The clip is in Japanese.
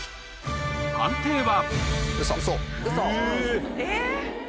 判定は？